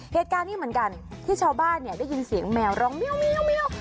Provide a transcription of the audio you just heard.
เหตุการณ์นี้เหมือนกันที่ชาวบ้านเนี่ยได้ยินเสียงแมวร้องเมียว